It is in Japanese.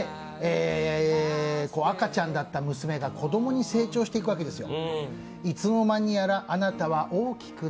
赤ちゃんだった娘が子供に成長していくわけですよ。